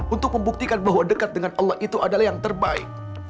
untuk membuktikan bahwa dekat dengan allah itu adalah yang terbaik